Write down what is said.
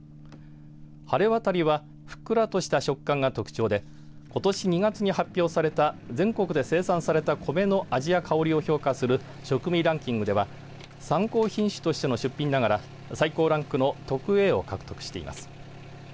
はれわたりはふっくらとした食感が特徴でことし２月に発表された全国で生産された米の味や香りを評価する食味ランキングでは参考品種としての出品ながら最高ランクの特Ａを獲得しています。